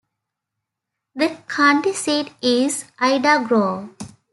The county seat is Ida Grove.